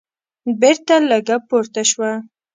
بېرته لږه پورته شوه.